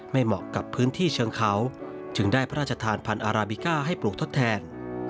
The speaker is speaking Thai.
เหมาะกับพื้นที่เชิงเขาจึงได้พระราชทานพันธ์อาราบิก้าให้ปลูกทดแทน